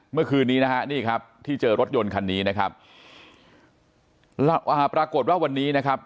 เมื่อคืนนี้นะฮะนี่ครับที่เจอรถยนต์คันนี้นะครับอ่าปรากฏว่าวันนี้นะครับ